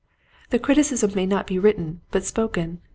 The criticism may not be written but spoken.